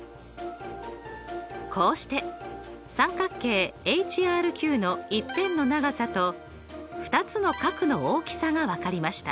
こうして三角形ＨＲＱの１辺の長さと２つの角の大きさが分かりました。